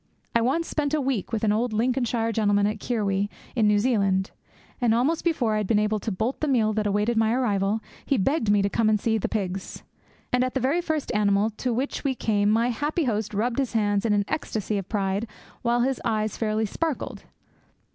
I once spent a week with an old Lincolnshire gentleman at Kirwee, in New Zealand; and almost before I had been able to bolt the meal that awaited my arrival, he begged me to come and see the pigs. And at the very first animal to which we came my happy host rubbed his hands in an ecstasy of pride, whilst his eyes fairly sparkled.